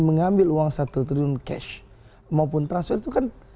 mengambil uang satu triliun cash maupun transfer itu kan